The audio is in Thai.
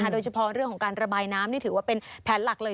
โดยเฉพาะเรื่องของการระบายน้ำนี่ถือว่าเป็นแผนหลักเลย